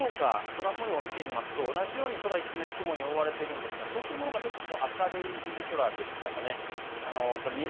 東京と福岡、空もようを見てみますと同じように空一面、雲に覆われているんですが東京ちょっと明るい空でしたかね。